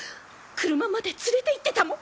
車まで連れていってたも。